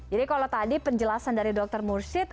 jadi kalau tadi penjelasan dari dr mursyid